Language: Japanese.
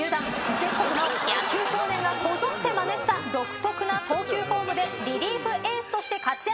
全国の野球少年がこぞってまねした独特な投球フォームでリリーフエースとして活躍。